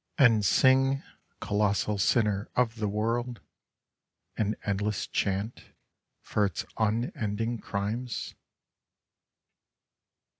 And sing, colossal sinner of the world. An endless chant for its unending crimes